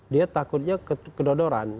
dia takutnya kedodoran